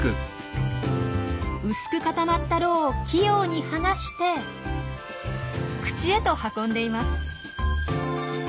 薄く固まった蝋を器用にがして口へと運んでいます。